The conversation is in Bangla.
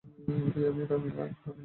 এই, আমি তামিলিয়ান।